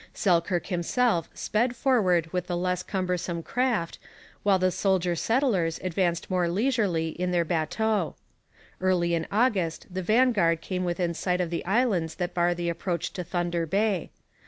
Selkirk himself sped forward with the less cumbersome craft, while the soldier settlers advanced more leisurely in their bateaux. Early in August the vanguard came within sight of the islands that bar the approach to Thunder Bay.